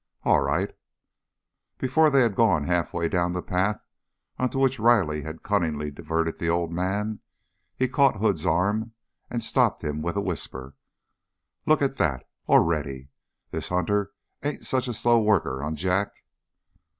"All right." But before they had gone halfway down the path onto which Riley had cunningly diverted the older man, he caught Hood's arm and stopped him with a whisper. "Look at that. Already! This Hunter ain't such a slow worker, eh, Jack?"